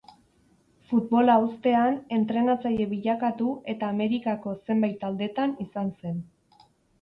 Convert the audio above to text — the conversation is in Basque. Futbola uztean, entrenatzaile bilakatu eta Amerikako zenbait taldetan izan zen.